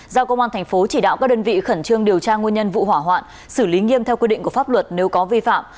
giao công an thành phố chỉ đạo các đơn vị khẩn trương điều tra nguyên nhân vụ hỏa hoạn xử lý nghiêm theo quy định của pháp luật nếu có vi phạm